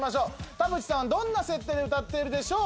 田渕さんはどんな設定で歌っているでしょう？